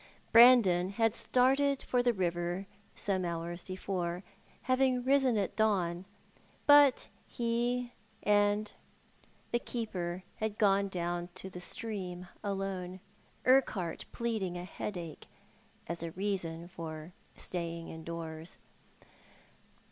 Brandon had started for the river some hours before, having risen at dawn ; but he and the 8o Thou art the Man. keeper had gone down to the stream alone, Urquhart pleading a headache as a reason for staying indoors.